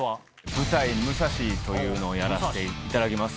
舞台『ムサシ』というのをやらせていただきます。